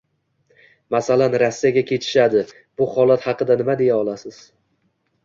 masalan Rossiyaga ketishadi. Bu holat haqida nima deya olasiz?